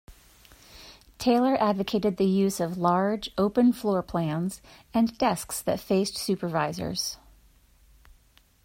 Taylor advocated the use of large, open floor plans, and desks that faced supervisors.